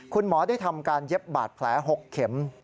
คุณหมอได้ทำการเย็บบาดแผล๖เข็ม